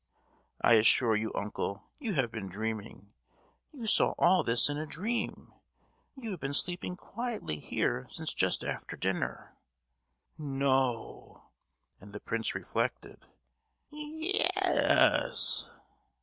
"I assure you, uncle, you have been dreaming! You saw all this in a dream! You have been sleeping quietly here since just after dinner!" "No!" And the prince reflected. "Ye—yes.